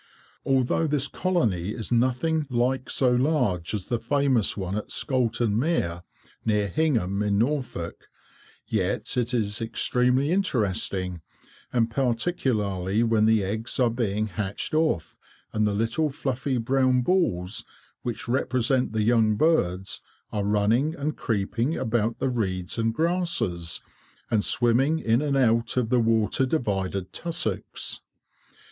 Although this colony is nothing like so large as the famous one at Scoulton Mere, near Hingham, in Norfolk, yet it is extremely interesting, and particularly when the eggs are being hatched off, and the little fluffy brown balls, which represent the young birds, are running and creeping about the reeds and grasses, and swimming in and out of the water divided tussocks.